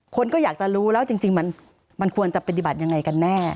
คนก็อยากจะรู้แล้วจริงมันควรจะปฏิบัติยังไงกันแน่